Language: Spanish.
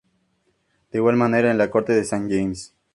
De igual manera en la Corte de Saint-James.